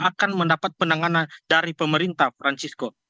akan mendapat penanganan dari pemerintah francisco